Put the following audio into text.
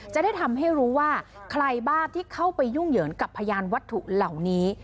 จะได้ทำให้รู้ว่าใครบ้างที่เข้าไปยุ่งเหยิงกับพยานวัตถุเหล่านี้